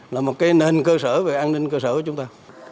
là một cái nền cơ sở về an ninh cơ sở của chúng ta